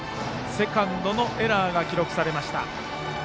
セカンドのエラーが記録されました。